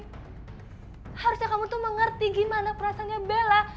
harusnya kamu itu mengerti gimana perasanya bella